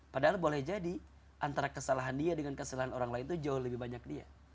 padahal boleh jadi antara kesalahan dia dengan kesalahan orang lain itu jauh lebih banyak dia